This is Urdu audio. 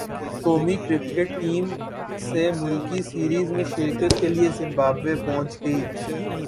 قومی کرکٹ ٹیم سہ ملکی سیریز میں شرکت کے لیے زمبابوے پہنچ گئی